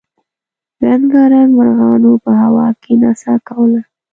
رنګارنګ مرغانو په هوا کې نڅا کوله.